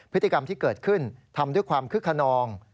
พฤติกรรมที่เกิดขึ้นทำด้วยความคึกขนอง